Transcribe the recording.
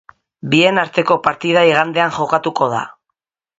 Bien arteko partida igandean jokatuko da.